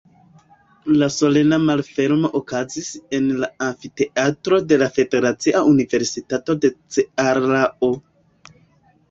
La solena malfermo okazis en la amfiteatro de la Federacia Universitato de Cearao.